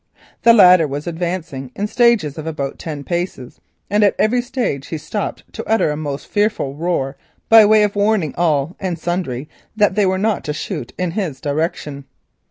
The latter was advancing in stages of about ten paces, and at every stage he stopped to utter a most fearful roar by way of warning all and sundry that they were not to shoot in his direction.